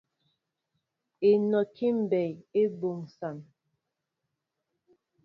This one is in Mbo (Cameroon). Enɔki mbɛy e boŋsa.